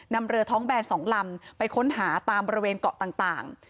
นำเรือท้องแบนสองลำไปค้นหาตามประเวนเดือนต่าง